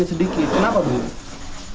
oh sedikit sedikit kenapa bu